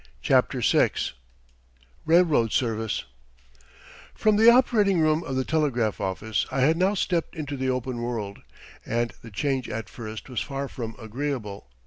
CHAPTER VI RAILROAD SERVICE From the operating room of the telegraph office I had now stepped into the open world, and the change at first was far from agreeable.